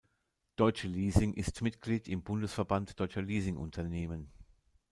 Deutsche Leasing ist Mitglied im Bundesverband Deutscher Leasing-Unternehmen.